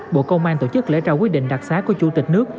bộ công an tổ chức lễ trao quyết định đặc xá của chủ tịch nước